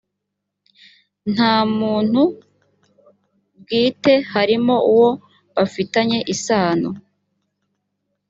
nta umuntu bwite harimo uwo bafitanye isano